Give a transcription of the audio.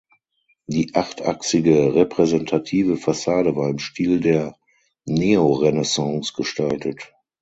Die achtachsige repräsentative Fassade war im Stil der Neorenaissance gestaltet.